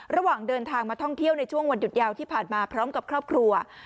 ระหว่างเดินทางมาท่องเที่ยวในช่วงวันหยุดยาวที่ผ่านมาพร้อมกับครอบครัว